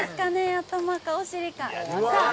頭かお尻か。